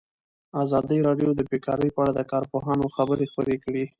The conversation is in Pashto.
ازادي راډیو د بیکاري په اړه د کارپوهانو خبرې خپرې کړي.